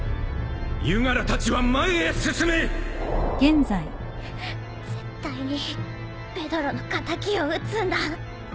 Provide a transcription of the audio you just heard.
ゆガラたちは前へ進め絶対にペドロの敵を討つんだ。